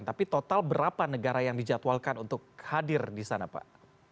tapi total berapa negara yang dijadwalkan untuk hadir di sana pak